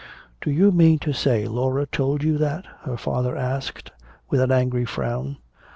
"Do you mean to say Laura told you that?" her father asked with an angry frown.